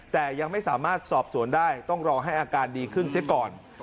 แต่ยังไม่สามารถสอบสวนได้ต้องรอให้อาการดีขึ้นเสียก่อน